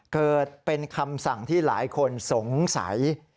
เกิดเป็นคำสั่งที่หลายคนสงสัย